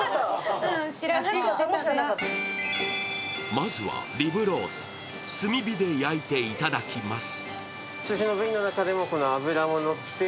まずは、リブロース炭火で焼いていただきます。